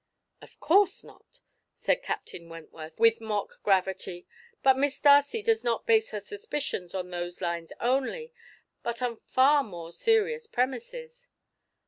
"Of course not," said Captain Wentworth, with mock gravity; "but Miss Darcy does not base her suspicions on those lines only, but on far more serious premises."